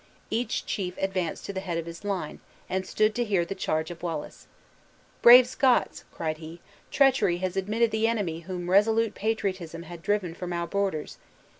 Each chief advanced to the head of his line, and stood to hear the charge of Wallace. "Brave Scots!" cried he, "treachery has admitted the enemy whom resolute patriotism had driven from our borders.